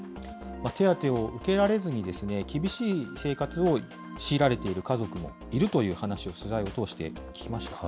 手当を受けられずに、厳しい生活を強いられている家族もいるという話を、取材を通して聞きました。